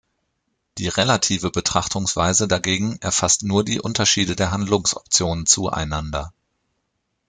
Die relative Betrachtungsweise dagegen erfasst nur die Unterschiede der Handlungsoptionen zueinander.